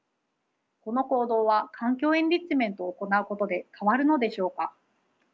この行動は環境エンリッチメントを行うことで変わるのでしょうか？